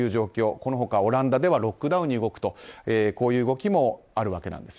この他、オランダではロックダウンに動くとこういう動きもあるわけなんです。